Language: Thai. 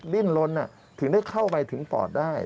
ดิ้นลนถึงได้เข้าไปถึงปอดได้